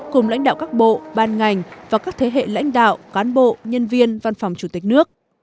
cùng lãnh đạo các bộ ban ngành và các thế hệ lãnh đạo cán bộ nhân viên văn phòng chủ tịch nước